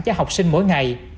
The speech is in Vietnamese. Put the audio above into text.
cho học sinh mỗi ngày